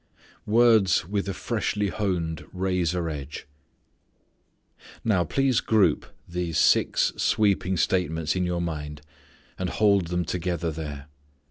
Words With a Freshly Honed Razor Edge. Now please group these six sweeping statements in your mind and hold them together there.